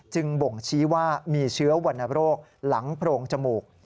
บ่งชี้ว่ามีเชื้อวรรณโรคหลังโพรงจมูก